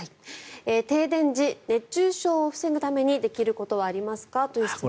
停電時、熱中症を防ぐためにできることはありますかということです。